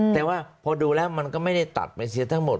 แต่ว่าพอดูแล้วมันก็ไม่ได้ตัดไปเสียทั้งหมด